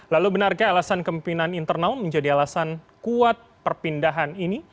lalu benarkah alasan kemimpinan internal menjadi alasan kuat perpindahan ini